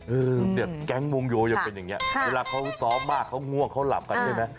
เนี่ยแก๊งวงโยยังเป็นอย่างนี้เวลาเขาซ้อมมากเขาง่วงเขาหลับกันใช่ไหม